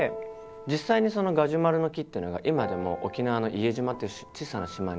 実際にそのガジュマルの木っていうのが今でも沖縄の伊江島っていう小さな島に残ってるんですね。